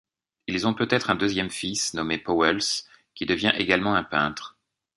Ils ont peut-être un deuxième fils, nommé Pauwels, qui devient également un peintre.